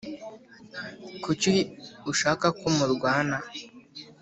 Kuki ushaka ko murwana